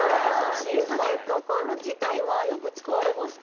カセットコンロ自体はよく使われますか？